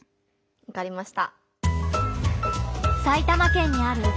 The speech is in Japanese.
わかりました。